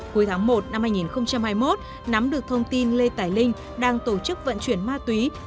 cuối tháng một năm hai nghìn hai mươi một nắm được thông tin lê tải linh đang tổ chức vận chuyển ma túy